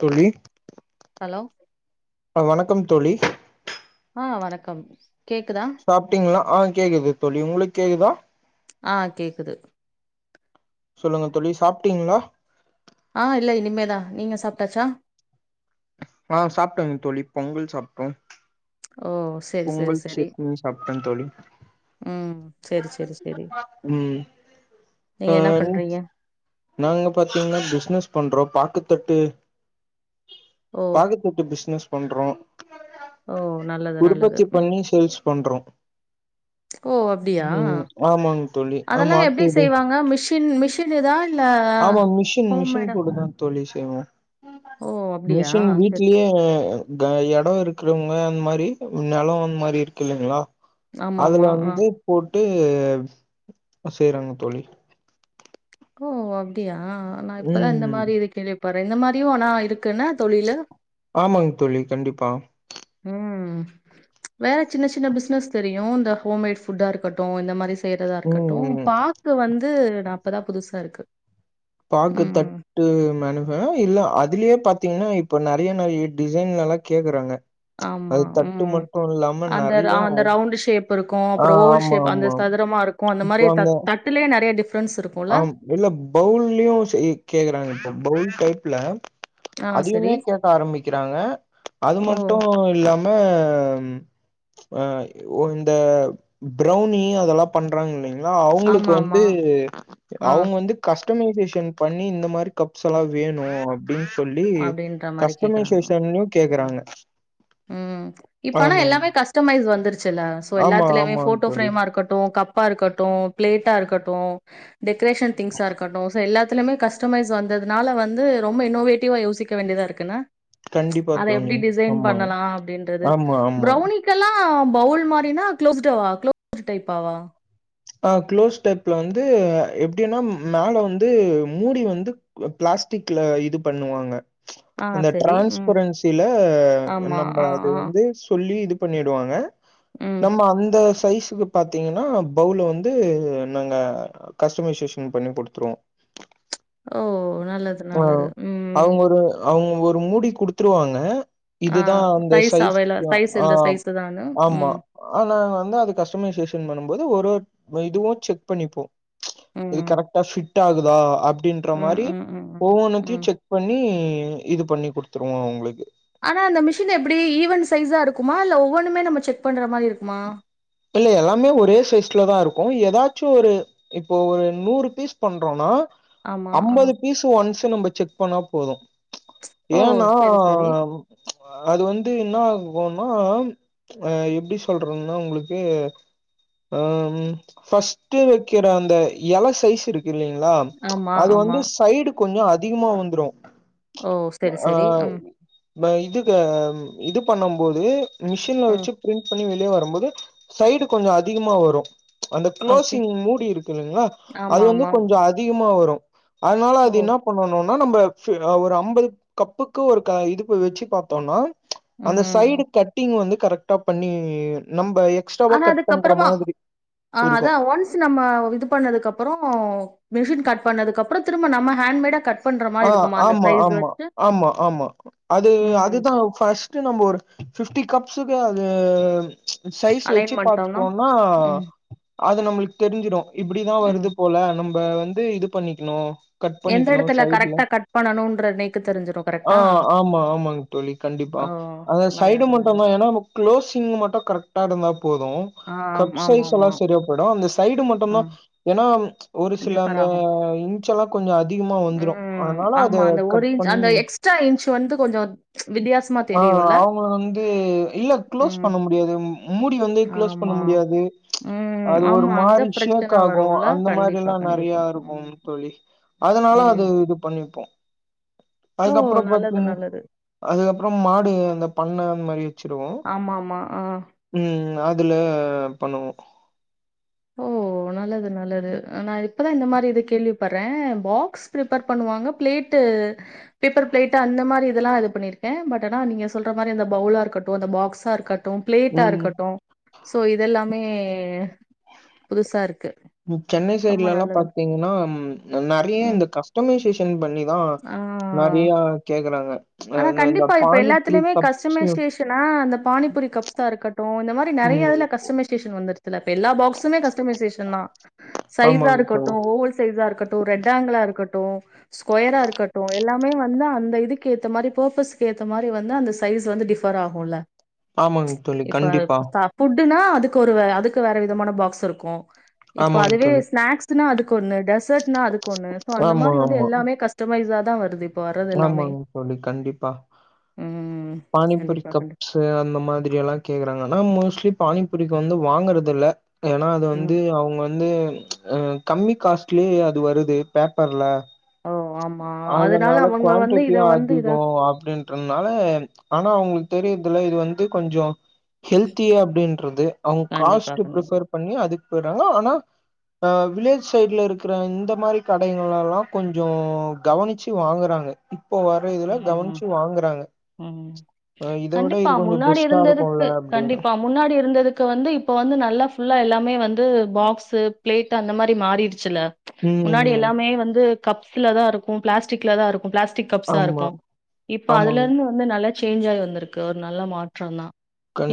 தோழி ஹலோ அ வணக்கம் தோழி ஆ வணக்கம் கேக்குதா சாப்ட்டீங்களா ஆ கேக்குது தோழி உங்களுக்கு கேக்குதா ஆ கேக்குது சொல்லுங்க தோழி சாப்ட்டீங்களா ஆ இல்ல இனிமேதா நீங்க சாப்ட்டாச்சா ஆ சாப்ட்டேங் தோழி பொங்கல் சாப்ட்டோ ஓ செரி செரி பொங்கல் செரி சேட்னி சாப்ட்டே தோழி ம் செரி செரி செரி ம் நீங்க ஆ என்னா பண்றீங்க நாங்க பாத்தீங்கன்னா பிசினஸ் பண்றோ பாக்குத்தட்டு ஓ பாக்கு [unintelligible] ட்டு பிசினஸ் பண்றோ ஓ நல்லது நல்லது உற்பத்தி ம் பண்ணி சேல்ஸ் பண்றோ ஓ அப்டியா ம் ஆமாங்க தோழி ஆ அதெல்லா எப்டி மாட்டிது செய்வாங்க மிஷின் மிஷின் இதா இல்ல ஹோம் மேடம் தொழில் செய்வோ அப்டியா மிஷின் செரி வீட்லியே எடோ இருக்குறவங்க அந்த மாரி நெலோ அந்த மாரி இருக்கு இல்லலிங்ளா ஆமா அதுல ஆமா ஆ வந்து போட்டு செய்யறாங்க தோழி ஓ அப்டியா நா இப்பதா ம் இந்த ம் மாரி இது கேள்விப்படுறே இந்த மாதிரியு ஆனா இருக்குண்ண தொழில ஆமாங் தோழி கண்டிப்பா ம் வேற சின்ன சின்ன பிஸ்சனஸ் தெரியு இந்த ஹோம்மேட் ஃபுட்டா இருக்கட்டு இந்த மாரி செய்றதா இருக்கட்டு ம் பாக்கு வந்து நா இப்பதா புதுசா இருக்கு பாக்கு தட் ம். ட்டு மெனுப் இல்ல அதுலயே பாத்தீங்கன்னா இப்ப நெறைய நெறைய டிசைன்லல்லா கேக்குறாங்க ஆமா அது தட்டு ம் மட்டு இல்லாம அந்த நெறைய அந்த ரவுண்ட் ஷேப் இருக்கு ஆ அப்றோ ஓல் ஆமா ஷேப் அந்த ஆமா. சதுரமா இருக்கு அந்த மாரி தட்டுலே நெறைய டிப்ரன்ஸ் இருக்கு ஆ இல்ல பவுல்லுயு கேக்குறாங்க இப்ப பவுல் டைப்ல ஆ சரி. அதியுமே கேக்க ஆரம்பிக்கிறாங்க அது ஓ! மட்டு இல்லாம அ ஓ இந்த பிரௌனி அதெல்லா பண்றாங்க இல்லிங்ளா அவுங்களுக்கு வந்து ஆமாமா. ஆ. அவுங்க வந்து கஸ்டமைசேஷன் பண்ணி இந்த மாரி கப்ஸ் எல்லா வேணு அப்டின்னு சொல்லி அப்டின்ற மாரி கேக்குறாங்க. கஸ்டமைசேஷன்லியு ம். கேக்குறாங்க ம் இப்பனா ஆமாங்க. எல்லாமே கஸ்டமைஸ் வந்துருச்சுல்ல ஆமா, எல்லாத்துலியுமே ஆமாங்க போட்டோ தோழி. ஃப்ரேமா இருக்கட்டு கப்பா இருக்கட்டு பிளேட்டா இருக்கட்டு டெக்கரேஷன் திங்ஸ்சா இருக்கட்டு சோ எல்லாதிலியுதுமே கஷ் கஸ்டமைஸ் வந்ததுனால வந்து ரொம்ப இன்னோவேட்டிவ்வா யோசிக்க வேண்டியதா இருக்குன்ன கண்டிப்பா அத தோழி. எப்டி டிசைன் ஆமாங்க. பண்ணலா அப்டின்றது ஆமா, ஆமா. பிரௌனி க்கெல்லா பவுல் மாரினா குளோஸ்டாவா குளோஸ் டைப்பாவா ஆ க்ளோஸ் டைப்ல வந்து எப்டின்னா மேல வந்து மூடி வந்து பிளாஸ்டிக்ல இது பண்ணுவாங்க ஆ அந்த சரி ம் டிரான்ஸ்பரன்சில ஆமா நம்ம ஆ அது ஆ வந்து சொல்லி இது பண்ணிடுவாங்க ம் நம்ம அந்த சைஸக்கு பாத்தீங்ன்னா பவுல வந்து நாங்க கஸ்டமைசேஷன் பண்ணி குடுத்துருவோ ஓ நல்லது ஆ நல்லது ம் அவுங்க ஒரு அவுங்க ஒரு மூடி குடுத்துருவாங்க ஆ இதுதா அந்த சைஸ் அவைல சைஸ்கியா சைஸ் ஆ இந்த சைஸு தானு ஆமா ம் ஆ நாங்க வந்து அது கஸ்டமைசேஷன் பண்ணுபோது ஒருவொரு இதுவும செக் பண்ணிப்போ இது ம் கரெக்டா ஃபிட் ஆகுதா அப்டின்ற ம், மாரி ம், ம், ம், ஒவ்வொன்னத்தையும் ம். செக் பண்ணி இது பண்ணி குடுத்துருவோ அவுங்களுக்கு ஆனா அந்த மிஷின் எப்டி ஈவன் சைஸா இருக்குமா இல்ல ஒவ்வொன்னுமே நம்ம செக் பண்ற மாரி இருக்குமா இல்ல எல்லாமே ஒரே சைஸ்ல தா இருக்கும எதாச்சு ஒரு இப்போ ஒரு நூறு பீஸ் பண்றோனா ஆமா. ஆ. அம்பது பீஸ் ஒன்ஸ நம்ம செக் பண்ணா போது ஓ! ஏனா சரி, சரி. அ அது வந்து என்னா போன்னுனா அ எப்டி சொல்றதுன்னா உங்களுக்கு அ ஃபர்ஸ்ட்டு வைக்கிற அந்த எல சைஸ் இருக் இல்லலிங்ளா ஆமா, அது வந்து ஆமா. சைடு கொஞ்சோ அதிகமா வந்துடு ஓ! சரி, ஆ சரி. ம், இதுக்கு இது பண்ணு போது மிஷின்ல ம். வச்சு பிரிண்ட் பண்ணி வெளியே வருபோது சைடு கொஞ்சோ அதிகமா வரு அந்த ஓகே. கோளோசிங் மூடி இருக்கு இல்லைங்ளா அது ஆமா, வந்து ஆமா. கொஞ்சோ அதிகமா வரு அதுனால ஓ! அது இன்னப் பண்ணனுன்னா நம்ம ஒரு ஐம்பது கப்புக்கு ஒருக்கா இது போய் வச்சு பாத்தோன்னா ம், அந்த ம், சைடு ம். கட்டிங் வந்து கரெக்டா பண்ணி நம்ப எந் ஆனா அதுக்கப்பறமா ஆ இருக்கு அதா ஒன்ஸ் ஸ் நம்ம இது பண்ணதுக்கு அப்பறோ மிஷின் கட் பண்ணதுக்கு அப்றோ திரும்ப நம்ம ஹேண்ட் மேடா கட் பண்ற மாரி ஆ இருக்குமா? அந்த ஆமா சைஸ் ஆமா வச்சு? ஆமா ஆமா அது ம். அதுதா ஃபஸ் ட்டு நம்ம ஒரு பிப்டி கப்ஸக்கு அது சைஸ் அலைன் வச்சு பண்ட்டோம்னா? பாத்துட்டோன்னா ம், அது நம்மளுக்கு தெரிஞ்சுரு இப்புடிதா ம். வருது போல நம்ம வந்து இது பண்ணிக்கணு கட் எந்த பண்ணிக்கணு சொ இடத்துல சைட்ல கரெக்ட்டா கட் பண்ணணும்ன்ற எனக்கு தெரிஞ்சிரும். ஆ கரெக்ட்டா? ஆமா ஆமாங் தோழி கண்டிப்பா ஓ அந்த சைடு நல்லது மட்டுந் தா நல்லது ஏன்னா க்ளோசிங் மட்டு கரெக்ட்டா இருந்தா போது ஆ கப் ஆமா ஆமா சைஸ் எல்லா ஆமா சரியா படு அந்த சைடு மட்டுந்தா ம் ஏன்னா ஒரு சில டிஃபர் அந்த ஆகு இன்ஞ் எல்லா கொஞ்ச அதிகமா வந்துரு அதுனால அத கட் பண்ணி ட்ரா இன்ஞ் வந்து கொஞ்சோ வித்தியாசம் ஆ அவுங்கள வந்து இல்ல க்ளோஸ் ம் பண்ண முடியாது மூடி வந்து க்ளோஸ் பண்ண ஆமா முடியாது ம் அது ஒரு ஆமா அந்த மாரி ஷேக் பிரச்சன ஆகு வருல்ல அந்த மாரி கண்டிப்பா எல்லா கண்டிப்பா நெறையா இருக்கும் ம் தோழி அதுனால ம் அது இது பண்ணிப்போ ஓ அதுக்கப்பறோ நல்லது பாத்தீங்க நல்லது அதுக்கப்பறம் மாடு அந்த பண்ண மாரியு ஆமாம்மா ஆ ம் ம் அதுல பண்ணுவோ ஓ ஓ நல்லது நல்லது நா இப்பதா இந்த மாரி இத கேள்விப்பட்றே ஃபாக்ஸ் க்ஸ் ப்ரிப்பர் பண்ணுவாங்க பளேட்டு பேப்பர் ப்லேட்டு அந்த மாரி இதெல்லா இது பண்ணிருக்கே பட் ஆனா நீங்க சொல்ற மாரி அந்த ஃபவ்லா இருக்கட்டு அந்த ஃபாக்ஸா இருக்கட் ட்டும் ப்ளேட்டா ம். இருக்கட்டு சோ இதெல்லாமே புதுசா இருக்கு ம் சென்னை ரொம்ப சைட்ல எல்லா நல்லது. பாத்தீங்கன்னா நெறைய ம். இந்த கஷ்ட் ஆட்டோமே சேஷன் பண்ணிதா ஆ. நெறையா கேக்குறாங்க ஆனா அந்த இந்த கண்டிப்பா இப்ப பானிபூரி எல்லாத்துலயுமே கப்ஸ் கஸ்டமை சேஷனா அந்த பானிபுரி கப்ஸா இருக்கட் ட்டு இந்த மாரி நெறைய ம் இதுல கஷ்டமைஸ் டேஷன் வந்துருத்துல்ல இப்ப எல்லா பாக்ஸுமே கஸ்டமைசேஷன் தா சைஸா ஆமாங்க தோழி. இருக்கட்டு ஓவல் சைஸ்ஸா இருக்கட் ட்டு ரெட் ஆங்கிளா இருக்கட்டு ஸ்கொயரா இருக்கட்டு எல்லாமே வந்து அந்த இதுக்கு கேத்த மாரி பர்ப்பஸுக்கு ஏத்த மாரி வந்து அந்த சைஸ் வந்து டிஃபர் ஆகுல்ல ஆமாங் தோழி இப்ப கண்டிப்பா தா ஃபுட்டுன்னா அதுக்கு ஒரு வேற அதுக்கு வேற விதமான ஃபாக்ஸ் இருக்கு இப்ப ஆமாங் அதுவே தோழி ஸ்நாக்ஸ்சுனா அதுக்கு ஒண்ணு டெசர்ட்னா அது ஒண்ணு சோ அந்த ஆமா மாரி வந்து எல்லாமே கஷ்ட் கஸ்ட மைஸாதா வருது இப்ப வர்றது எல்லாமே. ஆமாங்க தோழி கண்டிப்பா ம். பானிபூரி கண்டிப்பா, கண்டிப்பா. கப்ஸ் த்து அந்த மாதிரி எல்லா கேக்குறாங்கன்னா மோஸ்ட்லி பானிப்பூரிக்கு வந்து வாங்குறது இல்ல ஏன்னா அது வந்து ம். அவுங்க வந்து அ கம்மி காஸ்ட்லயே அது வருது பேப்பர்ல ஓ ஆமா அதுனால அவங்க வந்து இத வந்து இதா ஓ அப்டின்றதுனால ஆனா அவுங்களுக்கு தெரியதுல்ல இது வந்து கொஞ்சோ ஹெல்தியே அப்டின்றது அவுங்க கண்டிப்பா, காஸ்ட் கண்டிப்பா. ப்ரிபர் பண்ணி அதுக்கு போய்ட்றாங்களோ ஆனா அ வில்லேஜ் சைட்ல இருக்குற இந்த மாரி கடைங்கலெல்லா கொஞ்சோ கவனிச்சு வாங்குறாங்க இப்போ வர்ற இதுல ம், ம், கவன்ச்சு வாங்கறாங்க ம் கண்டிப்பா முன்னாடி பெஸ்ட்டா இருக்குல்ல இருந்ததுக்கு அப்டின்னு கண்டிப்பா முன்னாடி இருந்ததுக்கு வந்து இப்ப வந்து நல்லா ஃபுல்லா எல்லாமே வந்து பாக்ஸ்ஸு ப்ளேட் அந்த மாரி மாறிடுச்சுல்ல ம் முன்னாடி ம் எல்லாமே வந்து கப்ஸ்ல தா இருக்கு பிளாஸ்டிக்ல தா இருக்கு பிளாஸ்டிக் கப்ஸா இருக் ஆமா கு இப்ப ஆமாங் அதுலர்ந்து வந்து நல்லா சேஞ்ச் ஆய் வந்திருக்கு ஒரு நல்ல மாற்றோ தா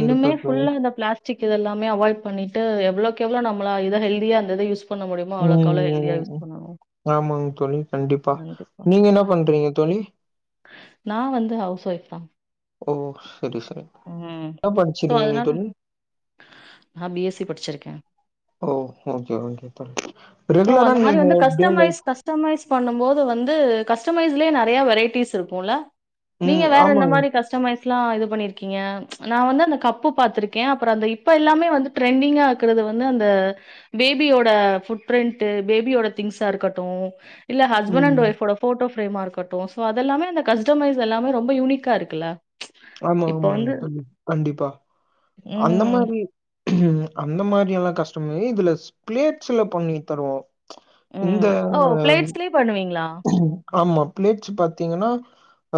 இன்னுமே தோழி ஃபுல்லா அந்த பிளாஸ் டிக் இத எல்லாமே அவாய்ட் பண்ணிட்டு எவ்ளோக் எவ்ளோ நம்மளா இத ஹெல்தியா அந்த இத யூஸ் பண்ண முடியுமோ ம் அவ்ளோக்கவ்ளோ ஹெல்தியா ம் யூஸ் ம் பண்ணனு ஆமாங் தோழி கண்டிப்பா நீங்க என்ன பண்றீங்க தோழி நா வந்து ஹவுஸ் ஒய்ஃப் தா ஓ செரி செரி என்ன படிச்சிருக்கீங்க தோழி நா பி எஸ் சி படிச்சிருக்கே ஓ ஓகே ஓகே தோழி ஸோ ரெகுலரா அந்த உங்க மாரி நீங்க வந்து ரொட்டீன் கஸ்டமைஸ் லைஃப் கஸ்டமைஸ் பண்ணும் போது வந்து கஸ்டமைஸ்லயே நெறைய வெரைட்டீஸ் இருக்குல்ல நீங்க ம் வேற எந்த ஆமாங்க மாரி கஸ்டமைஸ்லா இது பண்ணீர்க்கீங்க நா வந்து அந்த கப்பு பாத்திருக்கே அப்பறோ அந்த இப்ப எல்லாமே வந்து ட்ரெண்டிங்கா இக்கறது வந்து அந்த பேபியோட ஃபுட் ப்ரிண்ட்டு பேபியோட திங்ஸா இருக்கட்டு இல்ல ஹஸ்பண்ட் அண்ட் ம் ஒய்ஃபோட ஃபோட்டோ ஃபேரேமா இருக்கட்டு அதெல்லாமே அந்த கஸ்டமைஸ் எல்லாமே ரொம்போ யூனிக்கா இருக்குல்ல ஆமா இப்ப ஆமாங் வந்து தோழி கண்டிப்பா அந்த ம். மாரி ம் அந்த மாரி எல்லா கஷ்டமை இதுல ஸ்ப்ளேட்ஸ்ஸுல பண்ணி தருவோ இந்த பண்ணுவீங்ளா ம் ஆமா ப்ளேட்ஸ்ஸு பாத்தீங்கன்னா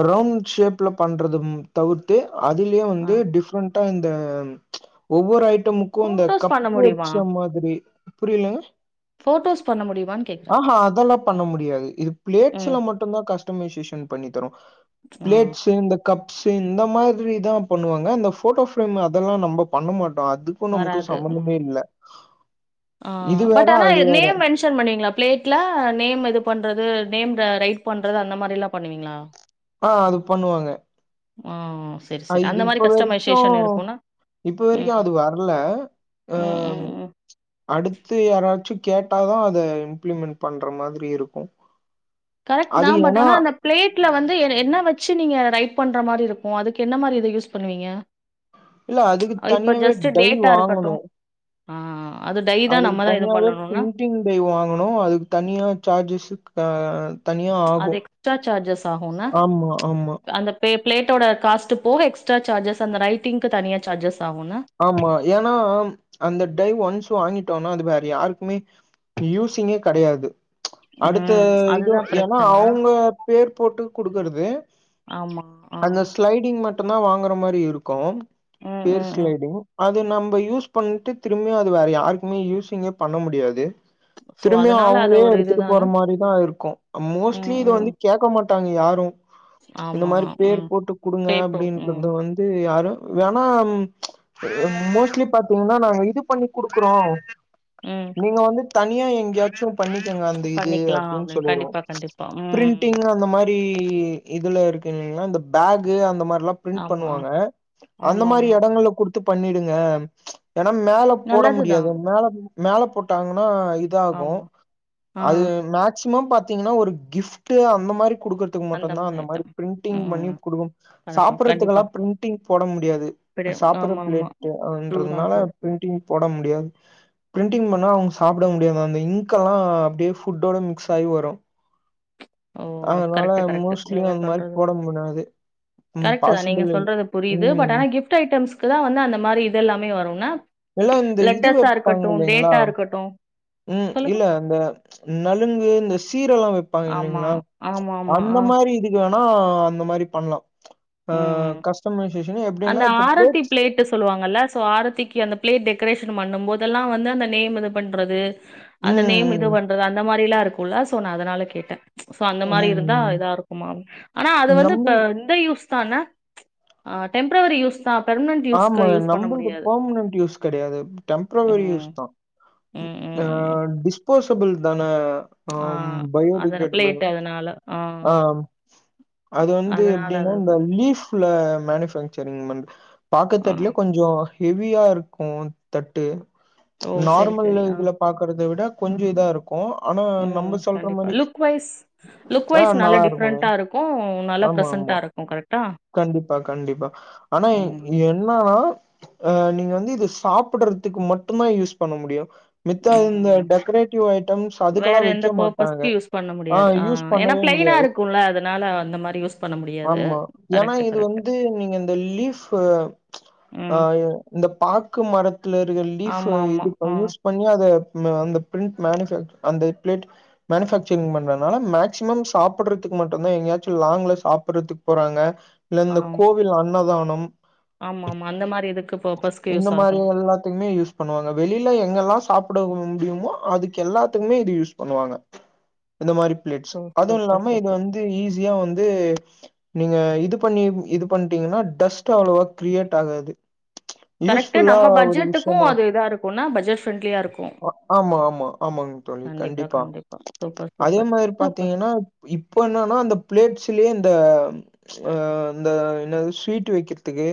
ரவுண்ட் ஷேப்ல பண்றது தவிர்த்து அதுலயே ஆ. வந்து டிஃப்ரெண்டா இந்த ஒவ்வொரு ஐட்டமு க்கு இந்த ஃபோட்டோஸ் கப் பண்ண முடியுமா? வெச்ச மாதிரி புரியலீங்க ஃபோட்டோஸ் பண்ண முடியுமான் ஆஹா அதெல்லா பண்ண முடியாது இது ம். ப்ளேட்ஸ்ல மட்டுந்தா கஸ்டமைசேஷன் பண்ணி தருவோ ஆ. ப்ளேட்ஸு இந்த கப்ஸு இந்த மாதிரி தா பண்ணுவாங்க அந்த ஃபோட்டோ ஃப்ரேம் அதெல்லா நம்ப பண்ண மாட்டோ அது க்கு நமக்கு வராது சம்மந்தமே ம் இல்ல இது வேற அது வேற ஷன் பண்ணுவீங்ளா ப்ளேட்ல நேம் இது பண்றது நேம் ர ரைட் பண்றது அந்த மாரி எல்லா பண்ணுவீங்களா ஆ அது பண்ணுவோங்க ம் செரி செரி அந்த மாரி கஸ்டமைசேஷன் இருக்குன்னா ம் வர்ல ம் ம் ம் அடுத்து யாராச்சு கேட்டாதா அத இம்ப்ளிமெண்ட் பண்ற மாதிரி இருக்கு கரெக்ட்டு தா பட் ஆனா அந்த ப்ளேட்ல வந்து எ என்ன வெச்சு நீங்க ரைட் பண்ற மாரி இருக்கு அதுக்கு என்ன மாரி இத யூஸ் பண்ணுவீங்க இல்ல அதுக்கு இப்ப தனியாவே ஜஸ்ட்டு டை டேட்டா இருக்கட்டு வாங்கணும். ஆ அது டை தா நம்மதா இது பண்ணனுன்னா ட்வின் டை வாங்கணு அதுக்கு தனியா சார்ஜஸு க அது எக்ஸ்ட்ரா சார்ஜஸ் ஆகுன்ன ஆமா, ஆமா, அந்த பே ப்ளேட்டோட காஸ்ட்டு போக எக்ஸ்ட்ரா சார்ஜஸ் அந்த ரைட்டிங்க்கு தனியா சார்ஜஸ் ஆகுன்ன ஆமா ஏனா அந்த டை ஒன்ஸ் வாங்கிட்டோனா அது வேற யாருக்குமே யூசிங்கே கெடயாது அடுத்த ம். இது அதுதான் ஏனா பிரச்சன. அவங்க பேர் போட்டு குடுக்குறது ஆமா ஆ க்லைடிங் மட்டுந்தா வாங்குற மாரி இருக்கு ம், பெருஸ் ம், ம். கிமு அது நம்ப யூஸ் பண்ட்டு திரும்பியு அது வேற யார்க்குமே யூசிங்கே பண்ண முடியாது சோ, திரும்பியு அதனால அது அவங்களே ஒரு எடுத்துட்டு இதுதான? போற மாரிதா இருக்கு மோஸ்ட்லி ம், இத வந்து ம். கேக்க மாட்டாங்க யாரு இந்த ஆமா. மாரி பேர் ம். போட்டு குடுங்க பேப்போ அப்டின்றது ம், வந்து யாரு வேணா மோஸ்ட்லி பாத்தீங்கன்னா நாங்க இது பண்ணி குடுக்குறோ ம் நீங்க வந்து தனியா எங்கயாச்சு பண்ணிக்கங்க அந்த இது பண்ணிக்கலாம் அப்டின் அப்படின்னு. சொல்லிற்வோ கண்டிப்பா, கண்டிப்பா. ம். பிரிண்டிங் அந்த மாரி தி இதுல இருக்கு இல்லைங்ளா இந்த பேக்கு அந்த மாரில்லா ப்ரிண்ட் ஆமா. பண்ணுவாங்க அந்த மாதரி ஆமாமா. இடங்கள்ல குடுத்து பண்ணிடுங்க ஏனா மேல போட முடியாது நல்லதுதான். மேல மேல போட்டாங்ன்னா இதாகு ஆமா. ஆ. அது மே மேக்சிமம் பாத்தீங்கன்னா ஒரு கிஃப்ட் அந்த மாரி குடுக்கறதுக்கு மட்டுந்தா அந்த மாரி பிரிண்டிங் பண்ணி குடு கலப்பம். கண்டிப்பா. சாப்ட்றதுக்கெல்லா பிரிண்டிங் போட முடியாது இப்பிடி சாப்புட்ற ஆமாமா. ட்ரூ தான். பிளேட்டுன்றதுனால ட்ரூ, ட்ரூ. டிம் போட முடியாது பிரிண்டிங பண்ணா அவுங்க சாப்ட முடியாம அந்த இங்கெல்லா அப்டியே ஃபுட்டோட மிக்ஸாயி வரு ஓ! அதனால கரெக்ட்டு, கரெக்ட்டு. மோஸ்ட்லி அந்த மாரி போட முடாது கரெக்ட் தா நீங்க சொல்றது புரியுது பட் ஆனா கிஃப்ட் ஐட்டம்ஸ்கு தா வந்து அந்த மாரி இது எல்லாமே வருன்ன எல்லா இந்த இது லெட்டர்ஸா வெப்பாங்க இருக்கட்டு இல்லைங்களா டேட்டா இருக்கட்டு ம் இல்ல இந்த நலுங்கு இந்த சீர் எல்லா வப் ப்பாங்க ஆமா. இல்லைங்ளா ஆமாமா. அந்த ஆ. மாரி இது வேணா அந்த மாரி பண்லா அ ம். கஸ்டமிசேஷன் அந்த எப்டினா இப்ப ஆரத்தி [inaudible] பிளேட்டு சொல்லுவாங்கல்ல சோ ஆரத்திக்கு அந்த பிளேட் டெக்கரேஷன் பண்ணும் போதெல்லா வந்து அந்த நேம் இது பண்றது அந்த நேம் இது ம், பண்றது அந்த மாரில்லா இருக்குல்ல சோ நா அதனால கேட்டே சோ அந்த ம், மாரி இருந்தா ம். இதா இருக்குமா ஆனா அது வந்து இப்ப நம்ம ஒன் டைம் யூஸ்தா என்ன ஆ டெம்ப்ரவரி யூஸ் தா பெர்மெனண்ட் ஆமா நம்மள்து பெர்மனன்ட் யூஸ் கெடயாது டெம்ப்ரவரி ம். யூஸ் தா ம் ஆ டிஸ்போசபிள் தான ஆ ஆம் அதன பயோடிக்ரேடபிள் பிளேட் அதனால. ஆ. ஆம் அது வந்து அதனால அது எப்டின்னா இந்த இருக்கும். லீஃப் ஃப்ல மேனுபக்சரிங் பண்றது பாக்குத் ஆ. தட்டுலே கொஞ்சோ ஹெவியா இருக்கு தட்டு ஓ! சரி, சரி. நார்மல்ல ஆ. இதுல பாக்றத விட கொஞ்சோ இதா இருக் கு ஆனா ம். நம்ம சொல்ற கண்டிப்பா. மாரி லுக் வைஸ் ஆ நல்லா இருக்கு கு நல்லா ஆமா ப்ரசன்டா ஆமா இருக்கு கரெக்டா கண்டிப்பா கண்டிப்பா ஆனா என் என்னன்னா அ நீங்க வந்து இது சாப்புடுறதுக்கு மட்டுந்தா யூஸ் பண்ண முடியு மித்த இந்த ம். டெக்கரேட்டிவ் ஐட்டம்ஸ் அதுக்குல்லா வேற எந்த வைக்க மாட்டாங்க பர்ப்பஸ்க்கு ஆ யூஸ் பண்ணவே முடியாது குமல்ல அதனால அந்த மாரி யூஸ் பண்ண முடியாது ஏனா கரெக்ட், இது கரெக்ட். வந்து நீங்க இந்த லீஃபு ஆ ம். இந்த பாக்கு மரத்துல இருக்க லீஃபு ஆமாமா. இது ப ஆ. யூஸ் பண்ணி அத ம் அந்த பிரிண்ட் மேனுபேக் அந்த பிளேட் மேனுபேக்சரிங் பண்றதுனால மேக்சிமம் சாப்புட்றதுக்கு மட்டும்தா எங்கயாச்சு லாங்கலா சாப்புட்றதுக்கு போறாங்க இல்ல ஆ. இந்த கோவில் அன்னதானம் ஆமாமா. அந்த மாரி இதுக்கு பர்ப்பஸ்க்கு இந்த யூஸ் மாரி ஆகும். எல்லாத்துக்குமே யூஸ் பண்ணுவாங்க வெளில எங்கெல்லா சாப்புட முடியுமோ அதுக்கு எல்லாத்துக்குமே இது யூஸ் பண்ணுவாங்க இந்த மாரி பிளேட்ஸ் ஓ! அது சூப்பர், இல்லாம இது சூப்பர். வந்து ஈஸியா வந்து நீங்க இது பண்ணி இது பண்டீங்கன்னா டஸ்ட் அவ்ளோவா கிரியேட் ஆகாது கரெக்ட யூஸ்ஃபுல்லா நம்ம ஒரு பட்ஜெட்டுக்கு விஷயமா அது இதா இருக்கும்ன்னா பட்ஜெட்ஃப்ரெண்ட்லியா இருக்கு ஆ ஆமா ஆமா ஆமாங்க தோழி கண்டிப்பா சூப்பர், அதே சூப்பர். மாரி சூப்பர். பாத்தீங்கனா இப்ப என்னன்னா அந்த பிளேட்ஸ்லயே இந்த அ இந்த என்னாது ஸ்வீட் வெக்கிறதுக்கு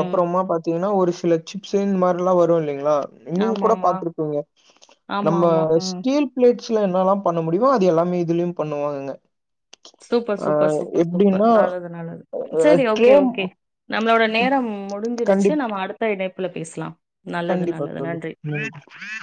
ம். பாத் தீங்கனா ஒரு சில சிப்ஸ்ன்ன மாரில்லா வரும் இல்லைங்களா நீங்க கூட ஆமாமா. பாத்துருப்பீங்க நம்ம ஆமாமா. ம். ஸ்டீல் பிளேட்ஸ்ல என்னல்லா பண்ண முடியுமோ அது எல்லாமே இதுலயும் பண்ணுவாங்கங்க சூப்பர் அ சூப்பர் சூப்பர் சூப்பர் எப்படின்னா, நல்லது நல்லது அ செரி ஓகே ட்ரே ஓகே நம்மளோட நேரம் முடிஞ்சிருச்சு கண்டிப் நம்ம அடுத்த இணைப்புல பேசலா கண்டிப்பா தோழி ம்